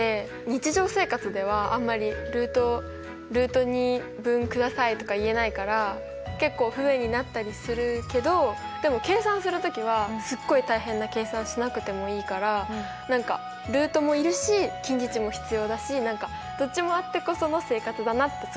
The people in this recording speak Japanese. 日常生活ではあんまりルートを分くださいとか言えないから結構不便になったりするけどでも計算する時はすっごい大変な計算しなくてもいいからルートもいるし近似値も必要だし何かどっちもあってこその生活だなってすごい思った。